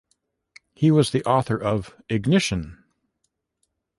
He was the author of Ignition!